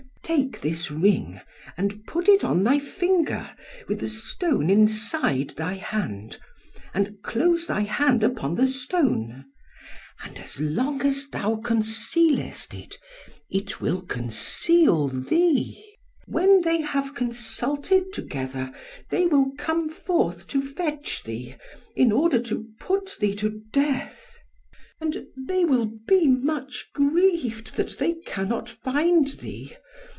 Take this ring and put it on thy finger, with the stone inside thy hand; and close thy hand upon the stone. And as long as thou concealest it, it will conceal thee. When they have consulted together, they will come forth to fetch thee, in order to put thee to death; and they will be much grieved that they cannot find thee.